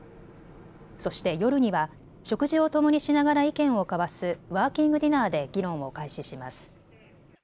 そして夜には食事をともにしながら意見を交わすワーキングディナーで議論を開始します。